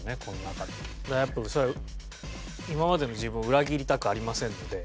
だからやっぱり今までの自分を裏切りたくありませんので２０。